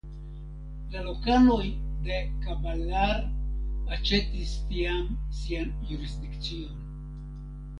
La lokanoj de Caballar aĉetis tiam sian jurisdikcion.